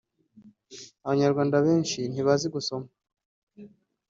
f) Abanyarwanda benshi ntibazi gusoma